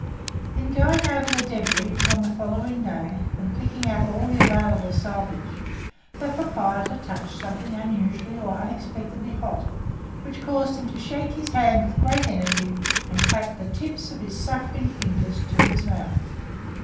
In going over the débris on the following day, and picking out all the available salvage, the proprietor touched something unusually or unexpectedly hot, which caused him to shake his hand with great energy, and clap the tips of his suffering fingers to his mouth.